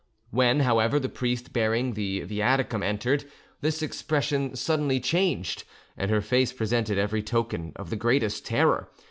When, however, the priest bearing the viaticum entered, this expression suddenly changed, and her face presented every token of the greatest terror.